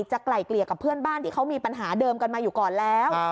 ไกล่เกลี่ยกับเพื่อนบ้านที่เขามีปัญหาเดิมกันมาอยู่ก่อนแล้ว